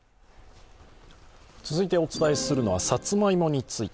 続いてお伝えするのはさつまいもについて。